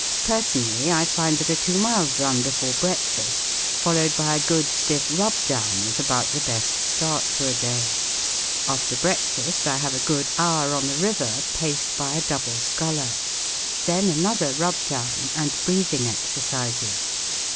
Personal 1 y, I find that a two mi lea run before breakfast, followed by a good* stiff rub down, ip about the best start to a day. After break¬ fast I have a good hour on the river, paced by a double sculler* Then another rub down and breath¬ ing exercises.